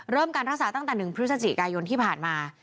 การรักษาตั้งแต่๑พฤศจิกายนที่ผ่านมา